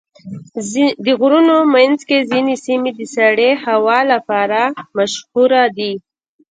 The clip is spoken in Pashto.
د غرونو منځ کې ځینې سیمې د سړې هوا لپاره مشهوره دي.